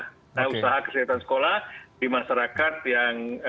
usaha kesehatan sekolah di masyarakat yang